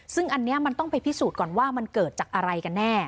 ซึ่งอันนี้มันต้องไปพิสูจน์ก่อนว่ามันเกิดจากอะไรกันแน่